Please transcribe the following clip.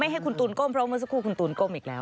ให้คุณตูนก้มเพราะเมื่อสักครู่คุณตูนก้มอีกแล้ว